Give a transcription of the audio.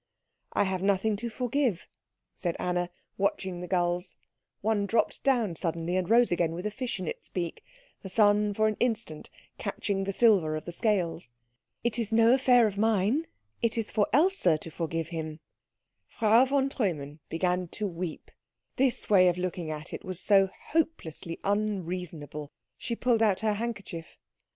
"I have nothing to forgive," said Anna, watching the gulls; one dropped down suddenly, and rose again with a fish in its beak, the sun for an instant catching the silver of the scales. "It is no affair of mine. It is for Else to forgive him." Frau von Treumann began to weep; this way of looking at it was so hopelessly unreasonable. She pulled out her handkerchief.